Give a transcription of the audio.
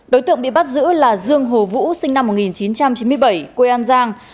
đối tượng bị bắt giữ là dương hồ vũ sinh năm một nghìn chín trăm chín mươi bảy quê an giang